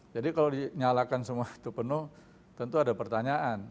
jadi kalau dinyalakan semua itu penuh tentu ada pertanyaan